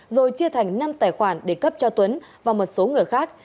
rồi chia thành năm tài khoản để cấp cho tuấn và một số người khác